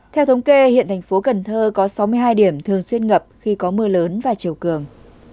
theo thống kê hiện thành phố cần thơ có sáu mươi hai điểm thường xuyên ngập khi có mưa lớn và chiều cường